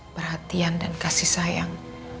perhatian dan kasih sayang